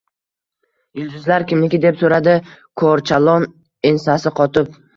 — Yulduzlar kimniki? — deb so‘radi korchalon ensasi qotib.